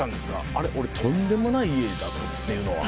あれ俺とんでもない家だ！っていうのは。